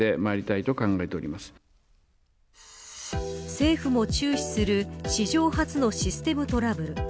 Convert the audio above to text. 政府も注視する史上初のシステムトラブル。